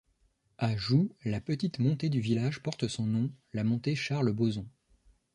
À Joux, la petite montée du village porte son nom, la montée Charles Bozon.